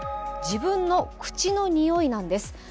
自分の口のにおいなんです。